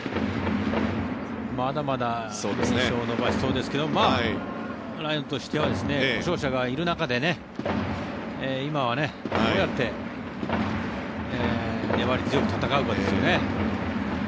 まだまだ連勝を伸ばしそうですけどライオンズとしては故障者がいる中で今はどうやって粘り強く戦うかですよね。